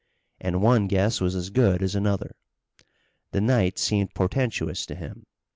And one guess was as good as another. The night seemed portentous to him.